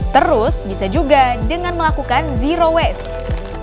terus bisa juga dengan melakukan zero waste